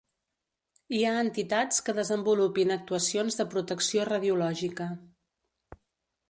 Hi ha entitats que desenvolupin actuacions de protecció radiològica.